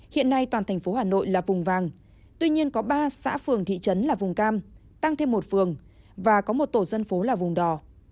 hiện nay toàn thành phố hà nội là vùng vàng tuy nhiên có ba xã phường thị trấn là vùng cam tăng thêm một phường và có một tổ dân phố là vùng đỏ